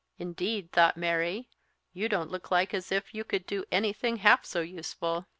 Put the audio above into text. "Indeed," thought Mary, "you don't look like as if you could do anything half so useful."